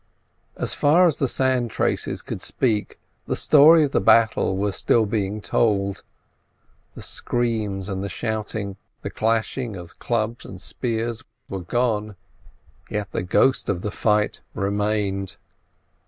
As far as the sand traces could speak, the story of the battle was still being told; the screams and the shouting, the clashing of clubs and spears were gone, yet the ghost of the fight remained.